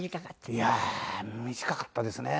いやあ短かったですね。